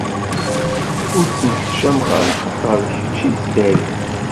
Ur ttneḥcameɣ ara axaṭer d kečč i ttdariɣ.